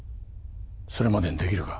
それまでにできるか？